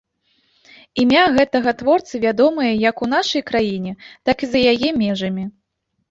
Імя гэтага творцы вядомае як у нашай краіне, так і за яе межамі.